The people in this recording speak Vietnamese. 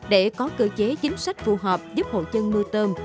để có cơ chế chính sách phù hợp giúp hộ dân nuôi tôm